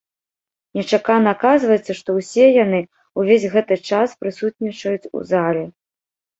Нечакана аказваецца, што ўсе яны ўвесь гэты час прысутнічаюць у зале.